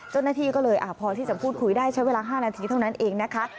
เจ้าหน้าที่ก็เลยพอที่จะพูดคุยได้ใช้เวลา๕นาทีเท่านั้นเองนะคะ